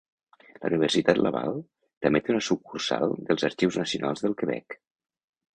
La Universitat Laval també té una sucursal dels Arxius Nacionals del Quebec.